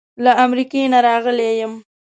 له امریکې نه راغلی یم.